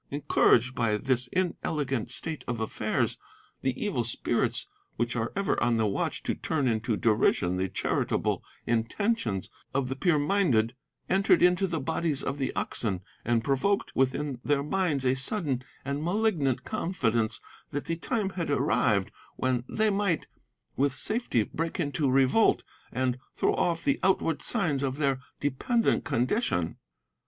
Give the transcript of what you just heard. Encouraged by this inelegant state of affairs, the evil spirits which are ever on the watch to turn into derision the charitable intentions of the pure minded entered into the bodies of the oxen and provoked within their minds a sudden and malignant confidence that the time had arrived when they might with safety break into revolt and throw off the outward signs of their dependent condition.